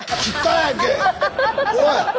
おい！